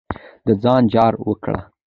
د ځان جار وکړه.